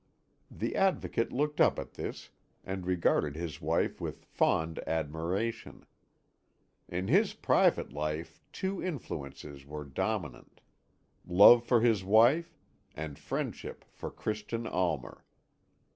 The Advocate looked up at this, and regarded his wife with fond admiration. In his private life two influences were dominant love for his wife, and friendship for Christian Almer.